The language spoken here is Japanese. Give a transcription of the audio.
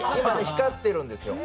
光ってるんですよ。